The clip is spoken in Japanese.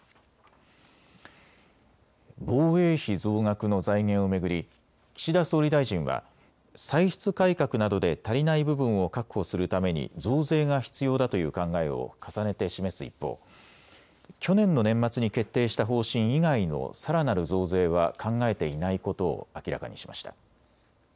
防衛費増額の財源を巡り岸田総理大臣は歳出改革などで足りない部分を確保するために増税が必要だという考えを重ねて示す一方、去年の年末に決定した方針以外のさらなる増税は考えていないことを明らかにしました。